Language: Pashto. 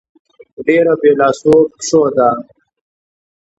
ډېره بې لاسو پښو ده.